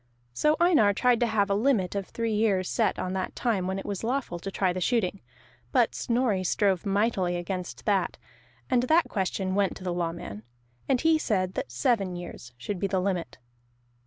So Einar tried to have a limit of three years set on that time when it was lawful to try the shooting; but Snorri strove mightily against that, and that question went to the Lawman, and he said that seven years should be the limit.